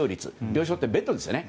病床ってベッドですよね